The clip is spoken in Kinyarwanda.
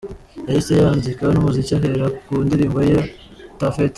Yahise yanzika n’umuziki ahera ku ndirimbo ye ‘Ta Fête’.